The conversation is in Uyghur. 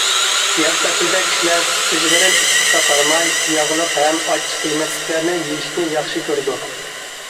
ياز پەسلىدە كىشىلەر پىژغىرىم ئىسسىققا قارىماي، ياغلىق ھەم ئاچچىق يېمەكلىكلەرنى يېيىشنى ياخشى كۆرىدۇ.